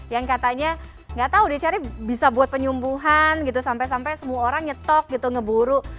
yang katanya nggak tahu dicari bisa buat penyumbuhan gitu sampai sampai semua orang nyetok gitu ngeburu